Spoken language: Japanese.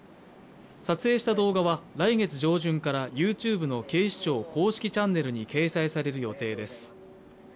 撮影した動画は、来月上旬からＹｏｕＴｕｂｅの警視庁公式チャンネルに掲載される予定です。